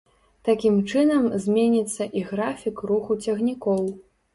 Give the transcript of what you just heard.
Такім чынам, зменіцца і графік руху цягнікоў.